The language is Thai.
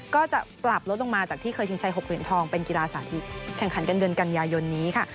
ก็จะปรับลดลงมาจากที่เคยชิงชัย๖เหรียญทองเป็นกีฬาสาธิตแข่งขันกันเดือนกันยายนนี้ค่ะ